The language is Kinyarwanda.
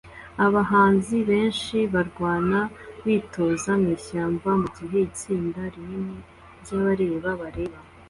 abahanzi benshi barwana bitoza mwishyamba mugihe itsinda rinini ryabareba bareba